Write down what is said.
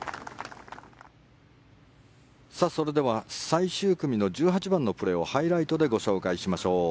それでは最終組の１８番のプレーをハイライトでご紹介しましょう。